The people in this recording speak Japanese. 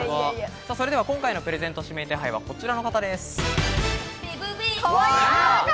今回のプレゼント指名手配はこちらの方です。